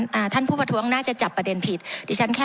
ผมจะขออนุญาตให้ท่านอาจารย์วิทยุซึ่งรู้เรื่องกฎหมายดีเป็นผู้ชี้แจงนะครับ